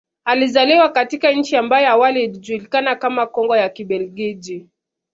Alizaliwa katika nchi ambayo awali ilijukana kama Kongo ya Kibelgiji